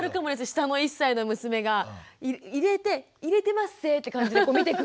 下の１歳の娘が入れて入れてまっせって感じで見てくる。